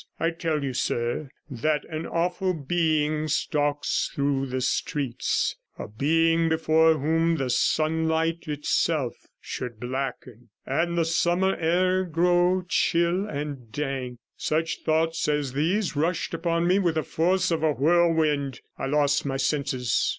I tell you, sir, that an awful being stalks through the streets, a being before whom the sunlight itself should blacken, and the summer air grow chill and dank. Such thoughts as these rushed upon me with the force of a whirlwind; I lost my senses.'